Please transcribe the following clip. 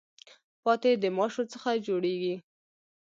پاتی د ماشو څخه جوړیږي.